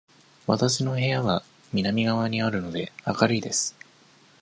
わたしの部屋は南側にあるので、明るいです。